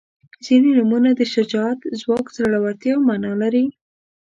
• ځینې نومونه د شجاعت، ځواک او زړورتیا معنا لري.